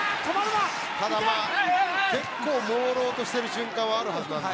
結構、もうろうとしている瞬間はあるはずなんで。